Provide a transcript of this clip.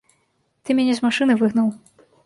Ты мяне з машыны выгнаў!